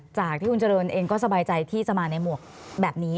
จากที่คุณเจริญเองก็สบายใจที่จะมาในหมวกแบบนี้